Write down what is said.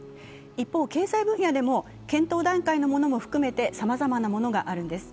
一方、経済分野でも検討段階のものも含めてさまざまなものがあるんです。